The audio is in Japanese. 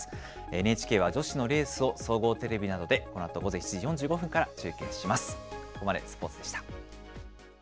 ＮＨＫは女子のレースを、総合テレビなどでこのあと午前７時４５分から中継します。